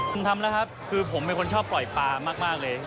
คุณทำแล้วครับคือผมเป็นคนชอบปล่อยปลามากเลย